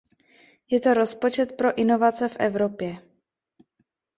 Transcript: Je to rozpočet pro inovace v Evropě.